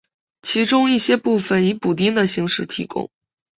其中一些部分以补丁的形式提供。